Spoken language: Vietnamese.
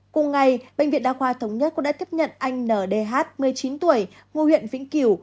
cùng ngày bệnh viện đa qua thống nhất cũng đã tiếp nhận anh n d h một mươi chín tuổi ngô huyện vĩnh kiểu